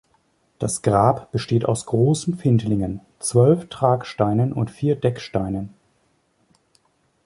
Das Grab besteht aus großen Findlingen, zwölf Tragsteinen und vier Decksteinen.